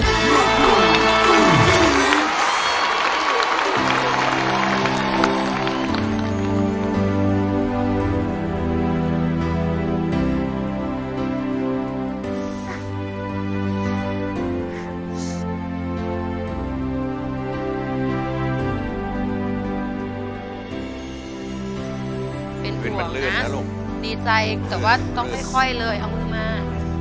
เป็นห่วงนะลูกดีใจแต่ว่าต้องค่อยเลยเอามือมา